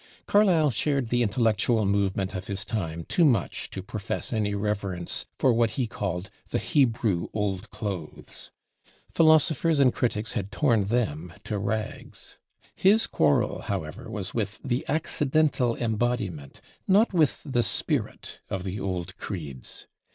Carlyle shared the intellectual movement of his time too much to profess any reverence for what he called the "Hebrew old clothes." Philosophers and critics had torn them to rags. His quarrel however was with the accidental embodiment, not with the spirit of the old creeds.